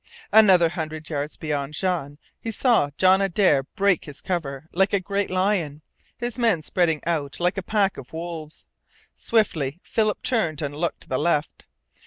Another hundred yards beyond Jean, he saw John Adare break from his cover like a great lion, his men spreading out like a pack of wolves. Swiftly Philip turned and looked to the left.